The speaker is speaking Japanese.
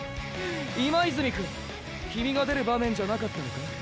今泉くん君が出る場面じゃなかったのか？